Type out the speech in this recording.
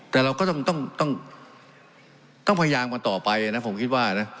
แต่เราก็ต้องพยายามกันต่อไปนะผมคิดว่านะ